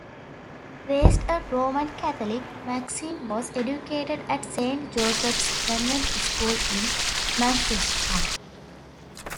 Raised a Roman Catholic, Maxine was educated at Saint Joseph's Convent School in Manchester.